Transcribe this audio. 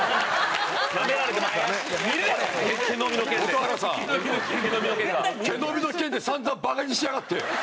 蛍原さん蹴伸びの件で散々バカにしやがって！